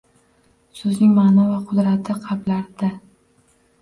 So‘zning ma’no va qudratini qalblarida.